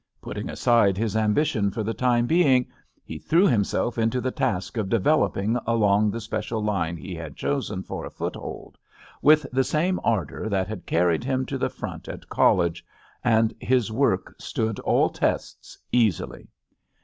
Putting aside his ambition for the time being, he threw himself into the task of developing along the special line he had chosen for a foothold, with the same ardor that had carried him to the front at college, and his work stood all tests, easily.